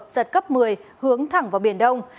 giật cấp một mươi hướng thẳng vào biển đông